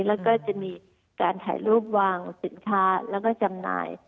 แล้วก็จะมีการถ่ายรูปวางสินค้าแล้วก็จำหน่าย